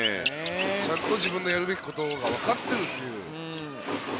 ちゃんと自分のやるべきことがわかっているという。